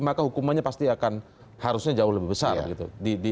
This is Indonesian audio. maka hukumannya pasti akan harusnya jauh lebih besar begitu